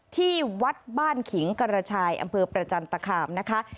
ที่วัดบ้านขิงกระชายอำเภอประจันตคามนะคะ